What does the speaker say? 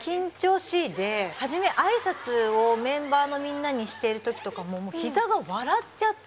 初め挨拶をメンバーのみんなにしてるときとかももう膝が笑っちゃって。